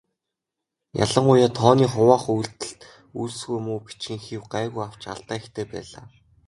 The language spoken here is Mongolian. Ялангуяа тооны хуваах үйлдэлд үйлсгүй муу, бичгийн хэв гайгүй авч алдаа ихтэй байлаа.